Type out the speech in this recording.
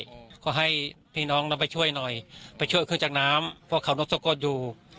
อืมก็ให้พี่น้องนั้นไปช่วยหน่อยไปช่วยขึ้นจากน้ำเพราะเขานกสะกดอยู่